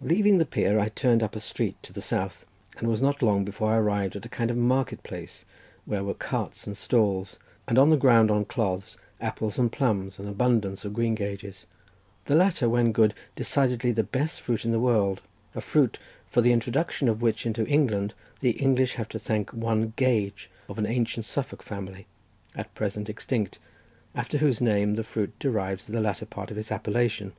Leaving the pier, I turned up a street to the south, and was not long before I arrived at a kind of market place, where were carts and stalls, and on the ground, on cloths, apples and plums, and abundance of greengages—the latter, when good, decidedly the finest fruit in the world; a fruit, for the introduction of which into England, the English have to thank one Gage, of an ancient Suffolk family, at present extinct, after whose name the fruit derives the latter part of its appellation.